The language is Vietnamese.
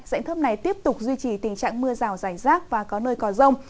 dãy thấp này tiếp tục duy trì tình trạng mưa rào rải rác và có nơi có rông